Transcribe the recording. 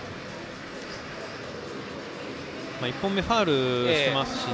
１本目にファウルしてますし。